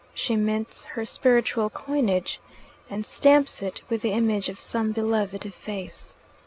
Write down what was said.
She mints her spiritual coinage and stamps it with the image of some beloved face.